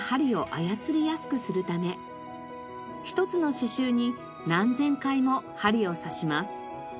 一つの刺繍に何千回も針を刺します。